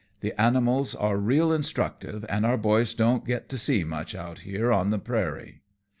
The animals are real instructive, an' our boys don't get to see much out here on the prairie.